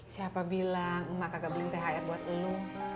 siapa bilang mak gak beli thr buat elu